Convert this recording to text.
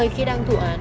khi đăng thủ án